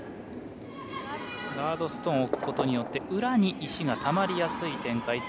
ガードストーンを置くことによって裏に石がたまりやすい展開